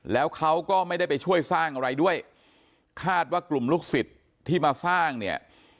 แล้วเขาก็ไม่ได้ไปช่วยสร้างอะไรด้วยคาดว่ากลุ่มลูกศิษย์ที่มาสร้างเนี่ย